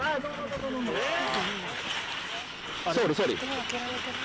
ドア開けられてる？